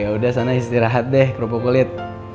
yaudah sana istirahat deh berupa kulit